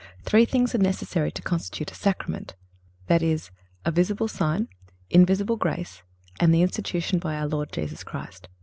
Three things are necessary to constitute a Sacrament, viz.—a visible sign, invisible grace and the institution by our Lord Jesus Christ.